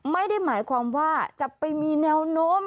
ไม่ได้หมายความว่าจะไปมีแนวโน้ม